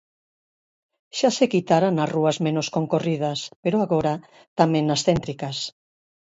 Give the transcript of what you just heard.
Xa se quitara nas rúas menos concorridas pero agora, tamén nas céntricas.